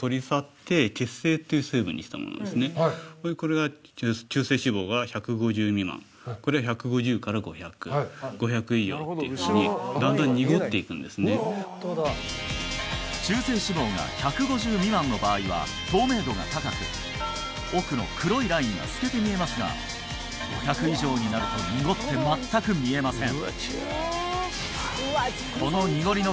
これが中性脂肪が１５０未満これは１５０５００５００以上っていうふうに中性脂肪が１５０未満の場合は透明度が高く奥の黒いラインが透けて見えますが５００以上になると濁って全く見えません